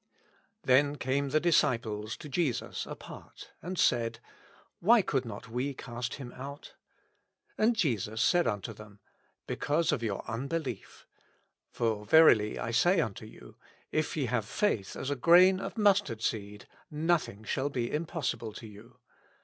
Then came the disciples to Jesus apart^ and said^ IVhy could not we cast him out ? And Jesus said unto them, Because of your unbelief; for verily I say tinto you, (f y^ have faith as a grain of mustard seed, nothing shall be impossible to you.